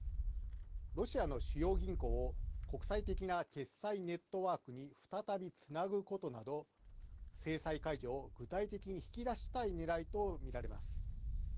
ロシアの主要銀行、国際的な決済ネットワークに再びつなぐことなど、制裁解除を具体的に引き出したいねらいと見られます。